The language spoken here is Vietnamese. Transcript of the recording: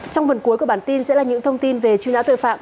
trong phần cuối của bản tin sẽ là những thông tin về truy nã tội phạm